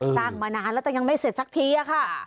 มานานแล้วแต่ยังไม่เสร็จสักทีอะค่ะ